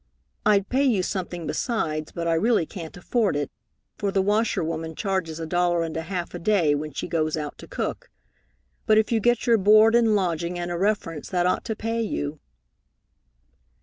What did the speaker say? I'd pay you something besides, but I really can't afford it, for the washerwoman charges a dollar and a half a day when she goes out to cook; but if you get your board and lodging and a reference, that ought to pay you."